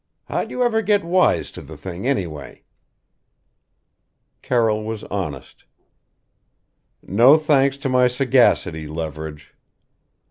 How'd you ever get wise to the thing, anyway?" Carroll was honest. "No thanks to my sagacity, Leverage.